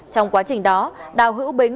trong quá trình đó đào hữu bính